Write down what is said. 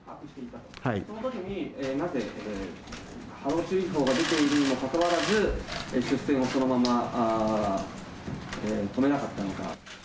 そのときになぜ、波浪注意報が出ているにもかかわらず、出船をそのまま止めなかったのか。